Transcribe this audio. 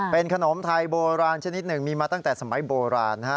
เป็นขนมไทยโบราณชนิดหนึ่งมีมาตั้งแต่สมัยโบราณนะฮะ